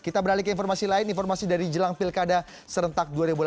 kita beralih ke informasi lain informasi dari jelang pilkada serentak dua ribu delapan belas